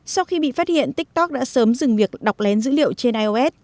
sau khi bị phát hiện tiktok đã sớm dừng việc đọc lén dữ liệu trên ios